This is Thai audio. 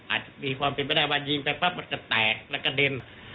อาจจะมีความเป็นไปได้ว่ายิงแต่ปั๊บจะแตกและกระเด็น